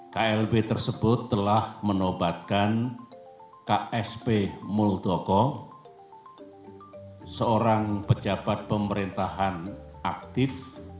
klb tersebut telah menobatkan ksp muldoko seorang pejabat pemerintahan aktif